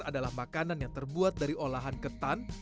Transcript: adalah makanan yang terbuat dari olahan ketan